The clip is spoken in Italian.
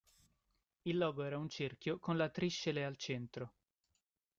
Il logo era un cerchio con la triscele al centro.